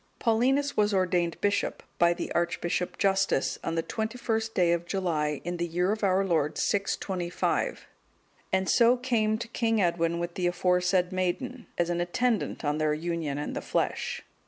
Paulinus was ordained bishop by the Archbishop Justus, on the 21st day of July, in the year of our Lord 625, and so came to King Edwin with the aforesaid maiden as an attendant on their union in the flesh.